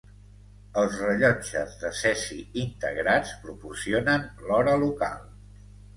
Els rellotges de cesi integrats proporcionen l'hora local.